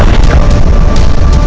ini kita anda berdua